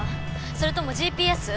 それともＧＰＳ？